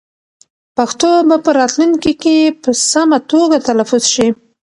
پښتو به په راتلونکي کې په سمه توګه تلفظ شي.